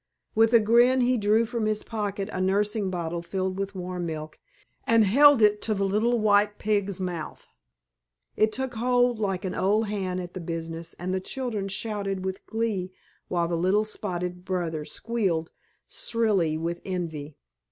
With a grin he drew from his pocket a nursing bottle filled with warm milk and held it to the little white pig's mouth. It took hold like an old hand at the business, and the children shouted with glee while the little spotted brother squealed shrilly with envy.